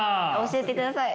教えてください。